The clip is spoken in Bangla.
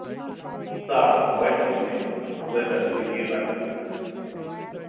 স্যার, ভয়ের কিছু নেই, আমাদের কাছে দিল্লির বাহিরে।